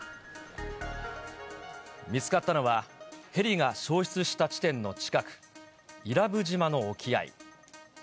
見つかったのは、ヘリが消失した地点の近く、伊良部島の沖合。